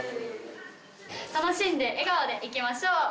楽しんで笑顔で行きましょう。